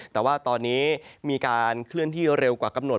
แต่ว่าตอนนี้มีการเคลื่อนที่เร็วกว่ากำหนด